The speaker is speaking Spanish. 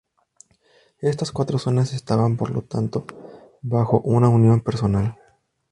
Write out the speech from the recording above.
Estas cuatro zonas estaban por lo tanto bajo una unión personal.